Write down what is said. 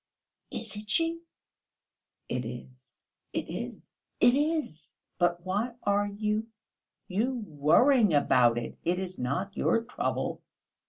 "Is it she?" "It is, it is, it is! But why are you you worrying about it? It is not your trouble!"